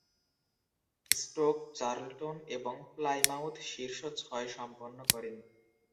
Stroke, Charlton এবং Plymouth শীর্ষ ছয় সম্পন্ন করেন।